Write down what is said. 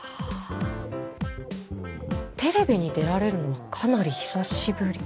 テレビに出られるのはかなり久しぶり？